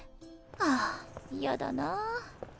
ああやだな。